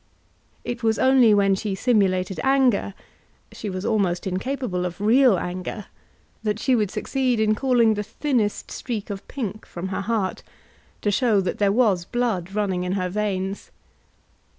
It was only when she simulated anger, she was almost incapable of real anger, that she would succeed in calling the thinnest streak of pink from her heart, to show that there was blood running in her veins.